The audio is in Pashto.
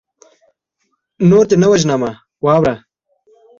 نور دې نه وژنمه واوره